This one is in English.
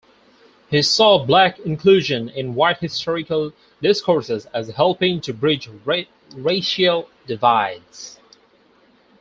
He saw black inclusion in white historical discourses as helping to bridge racial divides.